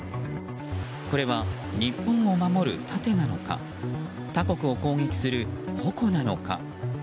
これは日本を守る盾なのか他国を攻撃する矛なのか。